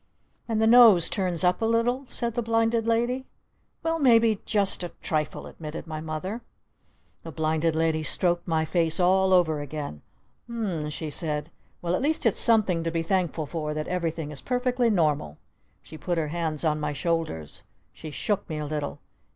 "And the nose turns up a little?" said the Blinded Lady. "Well maybe just a trifle," admitted my Mother. The Blinded Lady stroked my face all over again. "U m m m," she said. "Well at least it's something to be thankful for that everything is perfectly normal!" She put her hands on my shoulders. She shook me a little.